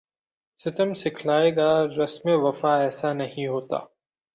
ستم سکھلائے گا رسم وفا ایسے نہیں ہوتا